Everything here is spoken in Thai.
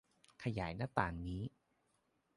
ขยายหน้าต่างนี้